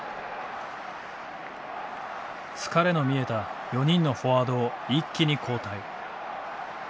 疲れの見えた４人のフォワードを一気に交代。